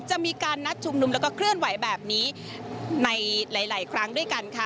จะมีการนัดชุมนุมแล้วก็เคลื่อนไหวแบบนี้ในหลายครั้งด้วยกันค่ะ